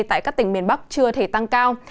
tại các tỉnh miền bắc chưa thể tăng cao